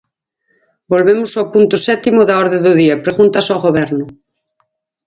Volvemos ao punto sétimo da orde do día, preguntas ao Goberno.